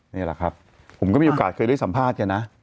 นี่แหละครับผมก็มีโอกาสเคยได้สัมภาษณ์แกนะ